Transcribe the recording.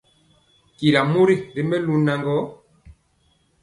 Tyira mori ri melu naŋgɔ,